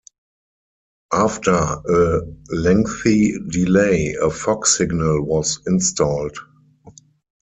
After a lengthy delay, a fog signal was installed.